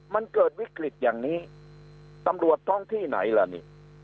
มันเกิดวิกฤตอย่างนี้ตำรวจท้องที่ไหนล่ะนี่